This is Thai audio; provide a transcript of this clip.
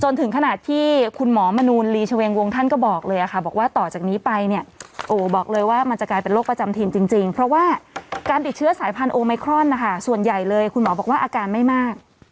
ไมโครนนะคะส่วนใหญ่เลยคุณหมอบอกว่าอาการไม่มาก